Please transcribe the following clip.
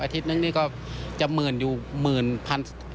อาทิตย์หนึ่งนี่ก็จะเหมือนอยู่หมื่นพัน